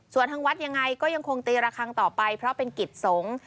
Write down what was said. ส่วนทางวัดยังไงก็ยังคงตีระคังต่อไปเพราะเป็นกิจสงฆ์